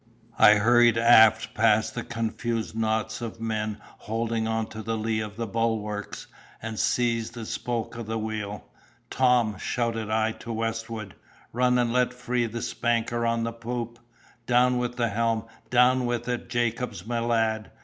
"I hurried aft past the confused knots of men holding on to the lee of the bulwarks, and seized a spoke of the wheel. 'Tom,' shouted I to Westwood, 'run and let free the spanker on the poop! Down with the helm—down with it, Jacobs, my lad!